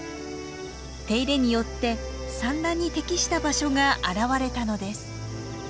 手入れによって産卵に適した場所が現れたのです。